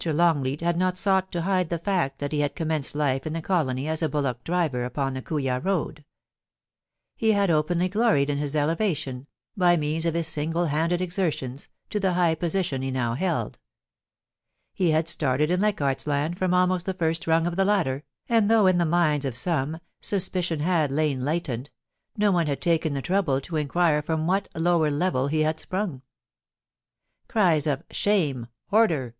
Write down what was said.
Longleat had not sought to hide the fact that he had commenced life in the colony as a bullock driver upon the Kooya road; he had openly gloried in his elevation, by means of his single handed exertions, to the high position he now held. He had started in Leichardt's Land from almost the first rung of the ladder, and though in the minds of some, suspicion had lain latent, no one had taken the trouble to inquire from what lower level he had sprung. Cries of * Shame!' 'Order!'